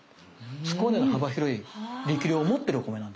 そこまでの幅広い力量を持ってるお米なんですね。